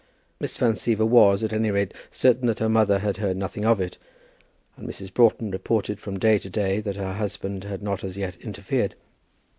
Miss Van Siever was, at any rate, certain that her mother had heard nothing of it, and Mrs. Broughton reported from day to day that her husband had not as yet interfered.